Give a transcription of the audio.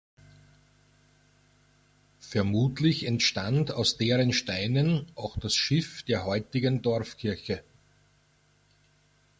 Vermutlich entstand aus deren Steinen auch das Schiff der heutigen Dorfkirche.